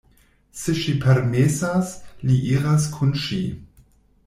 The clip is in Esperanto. Se ŝi permesas, li iras kun ŝi.